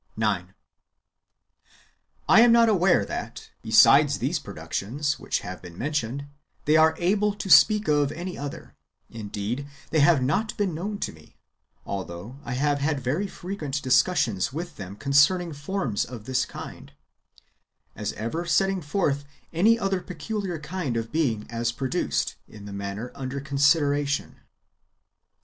9. I am not aware that, besides these productions [which have been mentioned], they are able to speak of any other ; indeed, they have not been known to me (although I have had very frequent discussions with them concerning forms of this kind) as ever setting forth any other peculiar kind of being as produced [in the manner under consideration].